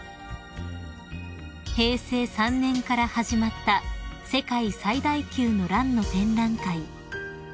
［平成３年から始まった世界最大級のランの展覧会］